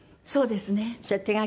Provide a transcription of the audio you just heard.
そうですね。